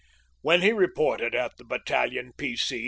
When he reported at the Battalion P.